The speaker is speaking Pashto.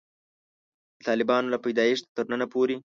د طالبانو له پیدایښته تر ننه پورې.